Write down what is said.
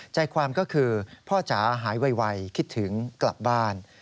ใจความก็คือพ่อจ๋าหายไวคิดถึงกลับบ้าน